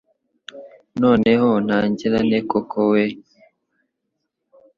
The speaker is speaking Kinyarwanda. Noneho ntangira nte koko we